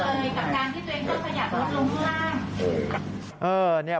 กับดังที่เจ๊ต้องขยับรถลงข้างล่าง